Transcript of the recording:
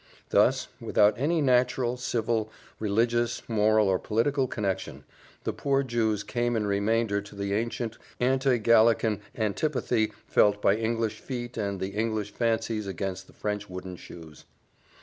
Thus, without any natural, civil, religious, moral, or political connexion, the poor Jews came in remainder to the ancient anti Gallican antipathy felt by English feet and English fancies against the French wooden shoes.